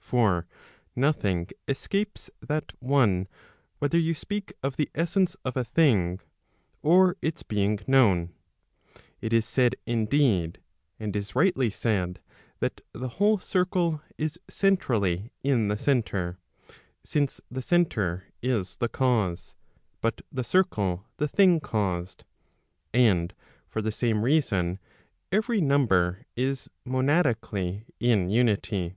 For nothing escapes that one whether you speak of the essence of a thing, or its being known. It is said indeed, and is rightly said, that the whole circle is centrally in the centre, since the centre is the cause, but the circle the thing caused, and for the same reason every number is monadically in unity.